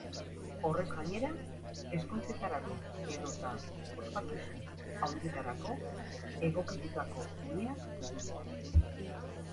Horrez gainera, ezkontzetarako edota ospakizun handietarako egokitutako guneak dituzte.